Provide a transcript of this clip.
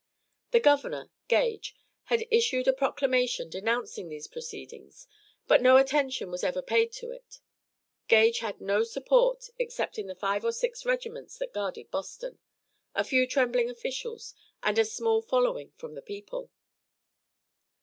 The governor Gage had issued a proclamation denouncing these proceedings, but no attention was ever paid to it. Gage had no support except in the five or six regiments that guarded Boston, a few trembling officials and a small following from the people.